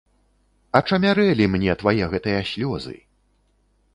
Ачамярэлі мне твае гэтыя слёзы.